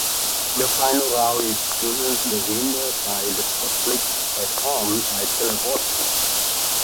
The final round is chosen the winner by the public at home by televoting.